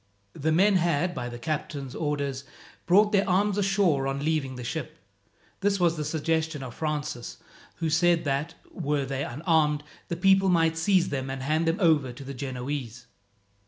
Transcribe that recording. The men had, by the captain's orders, brought their arms ashore on leaving the ship. This was the suggestion of Francis, who said that, were they unarmed, the people might seize them and hand them over to the Genoese.